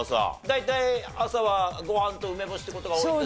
大体朝はご飯と梅干しって事が多いんですか？